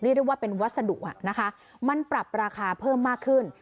ได้ว่าเป็นวัสดุนะคะมันปรับราคาเพิ่มมากขึ้น